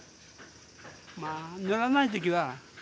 まあ乗らない時は。